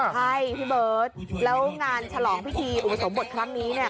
ใช่พี่เบิร์ตแล้วงานฉลองพิธีอุปสมบทครั้งนี้เนี่ย